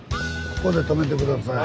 ここで止めて下さい。